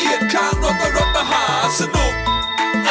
สีสันมันดูน่าสนุก